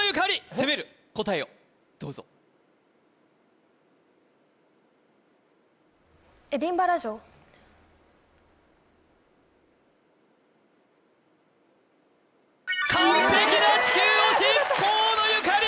攻める答えをどうぞ完璧な地球押し河野ゆかり！